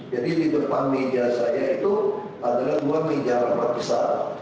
jadi di depan meja saya itu adalah dua meja rapat besar